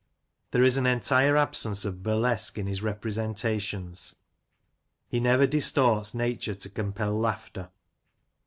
There is an entire absence of burlesque in his representations. He never distorts nature to compel laughter.